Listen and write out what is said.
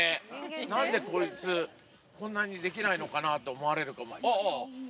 なんでこいつ、こんなにできないのかな？と思われる。